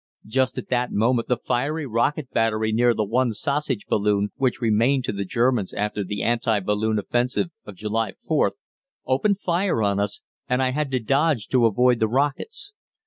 Just at that moment the fiery rocket battery near the one sausage balloon, which remained to the Germans after the anti balloon offensive of July 4th, opened fire on us, and I had to dodge to avoid the rockets.